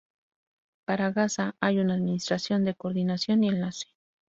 Para Gaza hay una Administración de Coordinación y Enlace.